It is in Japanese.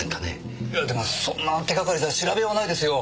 いやでもそんな手掛かりじゃ調べようがないですよ。